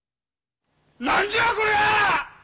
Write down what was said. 何じゃこりゃあ！